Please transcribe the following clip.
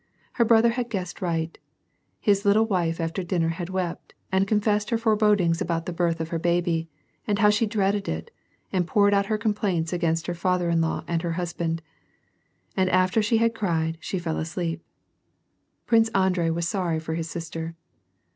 Her brother had guessed right; his little wife after diuner had wept, and confessed her forebodings about the birth of her baby, and how she dreaded it, and poured out her complaints against her father in law and her husband. And after she had cried, she fell asleep. Prince Andrei was sorry for his sister.